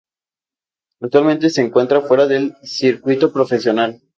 Actualmente se encuentra fuera del circuito profesional.